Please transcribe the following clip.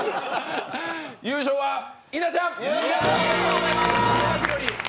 優勝は稲ちゃん。